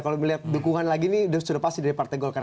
kalau melihat dukungan lagi ini sudah pasti dari partai golkar